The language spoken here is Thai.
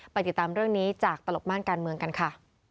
ติดตามเรื่องนี้จากตลบม่านการเมืองกันค่ะ